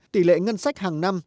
tỷ lệ ngân sách hàng năm